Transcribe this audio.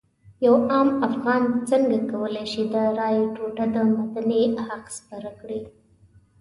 یو عام افغان څنګه کولی شي د رایې ټوټه د مدني حق سپر کړي.